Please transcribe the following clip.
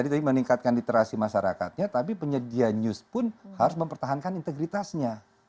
jadi tadi meningkatkan literasi masyarakatnya tapi penyedia news pun harus mempertahankan integritasnya